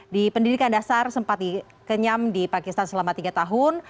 di pendidikan dasar sempat dikenyam di pakistan selama tiga tahun